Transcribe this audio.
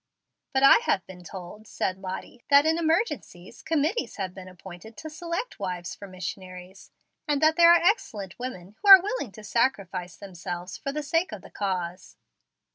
"But I have been told," said Lottie, "that in emergencies committees have been appointed to select wives for missionaries, and that there are excellent women who are willing to sacrifice themselves for the sake of the cause."